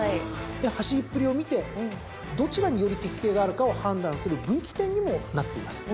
走りっぷりを見てどちらにより適性があるかを判断する分岐点にもなっています。